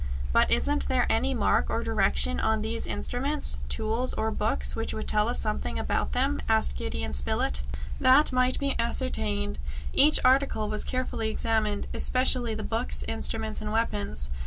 "But isn't there any mark or direction on these instruments, tools, or books, which would tell us something about them?" asked Gideon Spilett. That might be ascertained. Each article was carefully examined, especially the books, instruments and weapons.